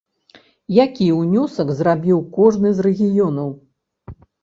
Які ўнёсак зрабіў кожны з рэгіёнаў?